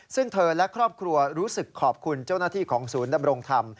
ซึ่งเธอและครอบครัวรู้สึกขอบคุณเจ้าหน้าที่ของศูนย์ดำรงธรรม